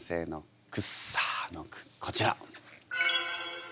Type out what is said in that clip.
こちら。